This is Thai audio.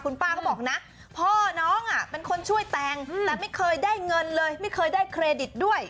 ป้าก็บอกนะพ่อน้องเป็นคนช่วยแต่งแต่ไม่เคยได้เงินเลยไม่เคยได้เครดิตด้วย